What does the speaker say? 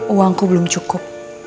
uangku belum cukup